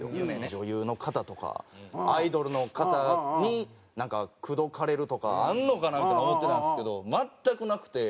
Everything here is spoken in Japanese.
女優の方とかアイドルの方になんか口説かれるとかあるのかなみたいに思ってたんですけど全くなくて。